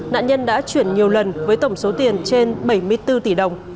nạn nhân đã chuyển nhiều lần với tổng số tiền trên bảy mươi bốn tỷ đồng